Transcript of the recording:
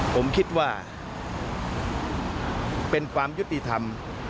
ผมคิดว่าเป็นความยุติธรรม